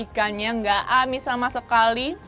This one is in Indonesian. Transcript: ikannya nggak amis sama sekali